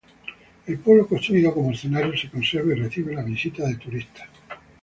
El pueblo construido como escenario se conserva y recibe la visita de turistas.